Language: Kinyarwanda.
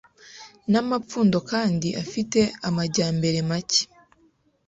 N'amapfundo kandi afite amajyambere make